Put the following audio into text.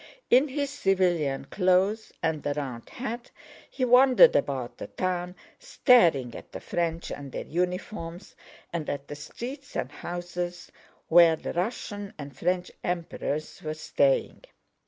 In his civilian clothes and a round hat, he wandered about the town, staring at the French and their uniforms and at the streets and houses where the Russian and French Emperors were staying.